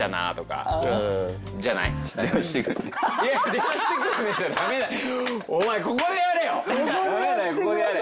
「電話してくるね」じゃダメだよ！